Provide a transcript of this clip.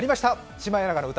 シマエナガの歌